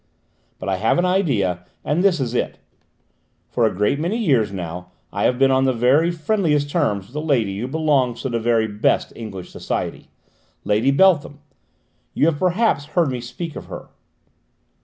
But I have an idea, and this is it: for a great many years now I have been on the very friendliest terms with a lady who belongs to the very best English society: Lady Beltham; you may perhaps have heard me speak of her."